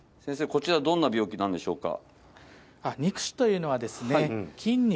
こちらどんな病気なんでしょうか？